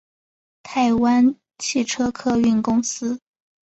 台湾汽车客运公司